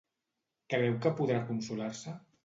Creu que podrà consolar-se?